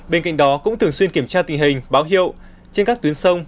bên cạnh đó cũng thường xuyên kiểm tra tình hình báo hiệu trên các tuyến sông